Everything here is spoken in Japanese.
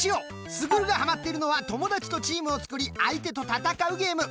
スグルがハマっているのは友達とチームを作り相手と戦うゲーム。